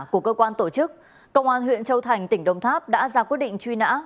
của cơ quan tổ chức công an huyện châu thành tỉnh đồng tháp đã ra quyết định truy nã